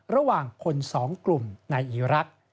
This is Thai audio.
ระหว่างคนสองกลุ่มในอีรักษ์